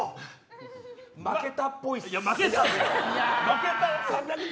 負けたっぽいっす。